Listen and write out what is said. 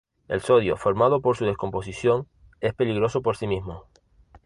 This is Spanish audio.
El sodio formado por su descomposición es peligroso por sí mismo.